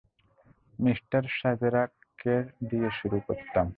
Mister সাজেরাককে দিয়ে শুরু করতাম।